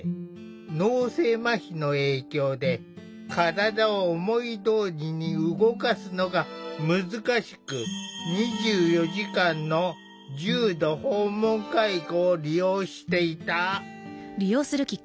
脳性まひの影響で体を思いどおりに動かすのが難しく２４時間の重度訪問介護を利用していた。